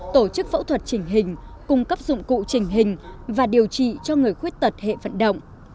tổ chức phẫu thuật chỉnh hình cung cấp dụng cụ trình hình và điều trị cho người khuyết tật hệ vận động